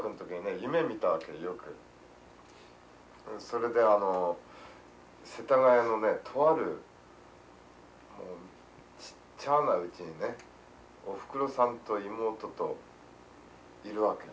それであの世田谷のねとあるちっちゃなうちにねおふくろさんと妹といるわけ。